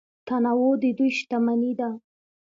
تنوع د دوی شتمني ده.